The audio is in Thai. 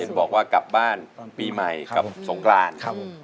เห็นบอกว่ากลับบ้านปีใหม่ครับสงกรานครับ